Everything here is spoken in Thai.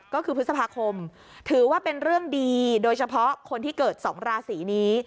ก็คือพฤษภาคมถือว่าเป็นเรื่องดีโดยเฉพาะคนที่เกิด๒ราศีนี้